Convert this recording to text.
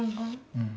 うん。